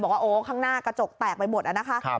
บอกว่าโอ้ข้างหน้ากระจกแตกไปหมดนะคะ